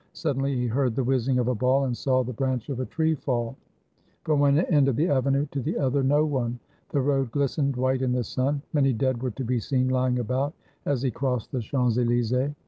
Suddenly he heard the whizzing of a ball and saw the branch of a tree fall. From one end of the avenue to the other, no one; the road gUstened white in the sun. Many dead were to be seen lying about as he crossed the Champs Elysees.